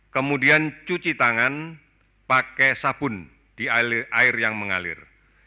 kemudian cuci tangan pakai sabun di air yang mengalir